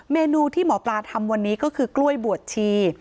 เมนูที่หมอปลาทำวันนี้ก็คือกล้วยบวชชี